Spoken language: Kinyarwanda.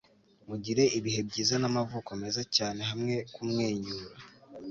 mugire ibihe byiza n'amavuko meza cyane hamwe kumwenyura